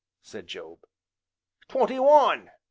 said Job. "Twenty one!"